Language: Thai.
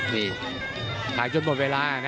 นี่ถ่ายจนหมดเวลานะ